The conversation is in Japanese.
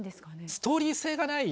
ストーリー性がない